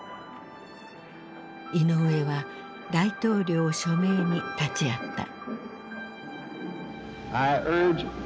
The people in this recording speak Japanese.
イノウエは大統領署名に立ち会った。